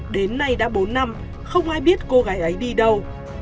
đến nay đã bốn năm không ai biết cô gái ấy đi đâu